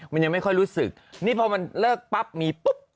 มันยังไม่ค่อยรู้สึกนี่พอมันเลิกปั๊บมีปุ๊บ